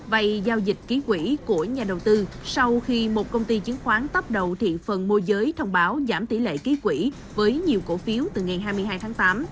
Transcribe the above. vậy giao dịch ký quỹ của nhà đầu tư sau khi một công ty chứng khoán tắp đầu thiện phần môi giới thông báo giảm tỷ lệ ký quỷ với nhiều cổ phiếu từ ngày hai mươi hai tháng tám